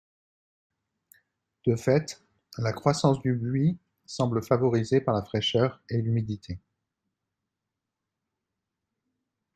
De fait, la croissance du buis semble favorisée par la fraîcheur et l'humidité.